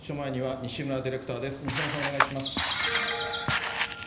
西村さん、お願いします。